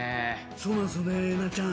そうなんですよね、ナンちゃん。